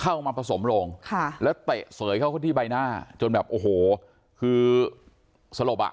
เข้ามาผสมโรงค่ะแล้วเตะเสยเข้าเขาที่ใบหน้าจนแบบโอ้โหคือสลบอ่ะ